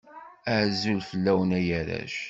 Azul fellawen a arrac